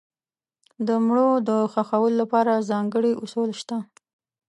د مړو د ښخولو لپاره ځانګړي اصول شته.